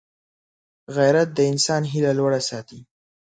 غیرت د انسان هیله لوړه ساتي